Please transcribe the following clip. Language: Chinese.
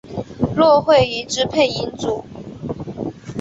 骆慧怡之配音组。